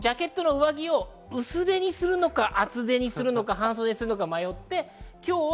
私が今日悩んだのは、ジャケットの上着を薄手にするのか厚手にするのか半袖にするのか迷いました。